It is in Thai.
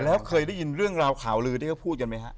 แล้วเคยได้ยินเรื่องราวข่าวลือที่พูดเหมือนกันมั้ยฮะ